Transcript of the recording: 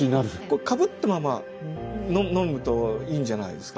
これかぶったまま飲むといいんじゃないですか。